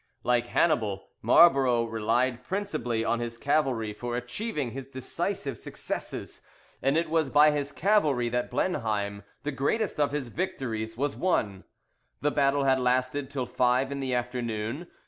Like Hannibal, Marlborough relied principally on his cavalry for achieving his decisive successes, and it was by his cavalry that Blenheim, the greatest of his victories, was won. The battle had lasted till five in the afternoon.